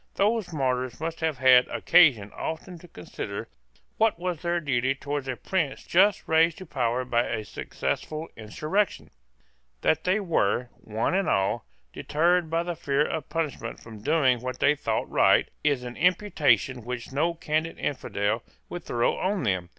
Those martyrs must have had occasion often to consider what was their duty towards a prince just raised to power by a successful insurrection. That they were, one and all, deterred by the fear of punishment from doing what they thought right, is an imputation which no candid infidel would throw on them.